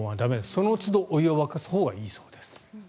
そのつどお湯を沸かすほうがいいそうです。